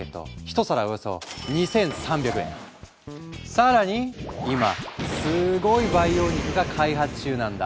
こちら更に今スゴイ培養肉が開発中なんだ。